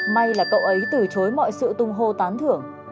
may là cậu ấy từ chối mọi sự tung hô tán thưởng